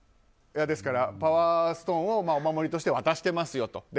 ですから、パワーストーンをお守りとして渡していますよと。